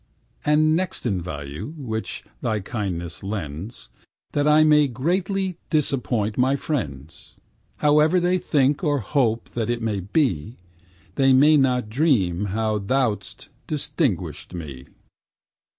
And next in value, which thy kindness lends, That I may greatly disappoint my friends, Howe'er they think or hope that it may be, They may not dream how thou'st distinguished me.